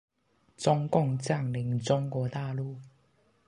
中共占領中國大陸